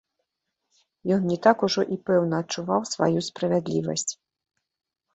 Ён не так ужо і пэўна адчуваў сваю справядлівасць.